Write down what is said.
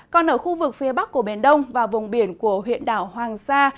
còn ở khu vực phía bắc của biển đông và vùng biển của huyện đảo hoàng sa